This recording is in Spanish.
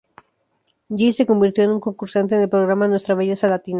Gil se convirtió en concursante en el programa "Nuestra Belleza Latina".